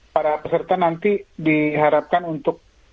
para peserta nanti diharapkan untuk